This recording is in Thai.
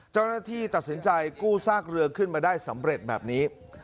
เจ้าหน้าที่ตัดสินใจกู้ซากเรือขึ้นมาได้สำเร็จแบบนี้